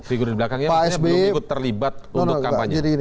figur di belakangnya makanya belum terlibat untuk kampanye